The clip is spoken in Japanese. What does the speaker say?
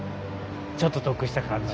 ちょっと得した感じ。